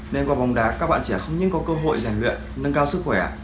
nên qua bóng đá các bạn trẻ không những có cơ hội rèn luyện nâng cao sức khỏe